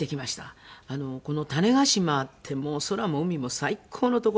この種子島ってもう空も海も最高の所で。